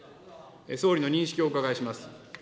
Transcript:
総理の認識をお伺いします。